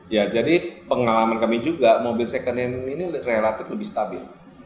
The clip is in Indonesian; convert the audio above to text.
ya jadi pengalaman kami juga mobil second ini relatif lebih stabil